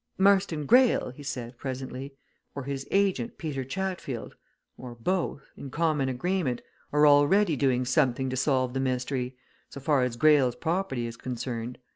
"Marston Greyle," he said, presently, "or his agent, Peter Chatfield, or both, in common agreement, are already doing something to solve the mystery so far as Greyle's property is concerned.